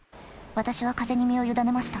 私は風に身を委ねました。